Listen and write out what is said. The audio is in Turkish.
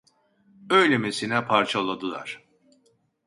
Öylemesine parçaladılar…